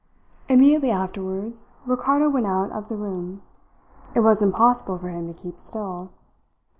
Immediately afterwards Ricardo went out of the room. It was impossible for him to keep still.